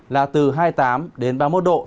là từ hai mươi tám ba mươi một độ